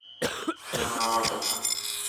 শুনুন আমার কথা।